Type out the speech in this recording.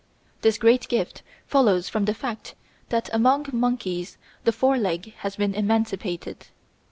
This great gift follows from the fact that among monkeys the fore leg has been emancipated.